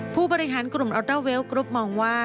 ผู้บริหารกลุ่มออเดอร์เวลกรุ๊ปมองว่า